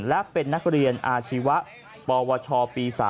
และเป็นนักเรียนอาชีวะปวชปี๓